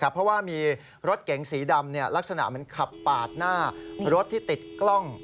เพราะว่ามีรถเก๋งสีดำลักษณะเหมือนขับปาดหน้ารถที่ติดกล้อง